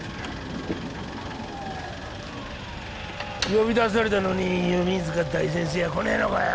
呼び出されたのに弓塚大先生は来ねえのかよ